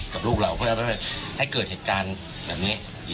กับลูกเราเพื่อให้เกิดเหตุการณ์แบบนี้